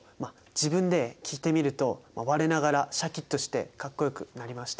自分で着てみると我ながらシャキッとしてかっこよくなりました！